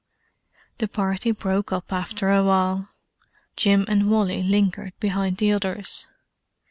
The party broke up after a while. Jim and Wally lingered behind the others.